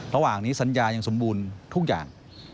ระหว่างนี้สัญญายังสมบูรณ์ทุกอย่าง